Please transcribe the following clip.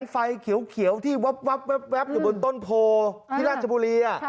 ไฟเขียวที่วับอยู่บนต้นโพที่ราชบุรี